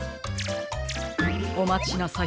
おまちなさい。